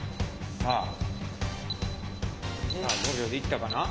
さあ５秒でいったかな？